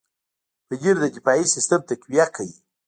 پنېر د دفاعي سیستم تقویه کوي.